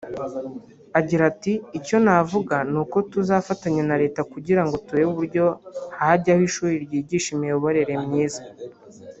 Agira ati “Icyo navuga ni uko tuzafatanya na Leta kugira ngo turebe uburyo hajyaho ishuri ryigisha imiyoborere myiza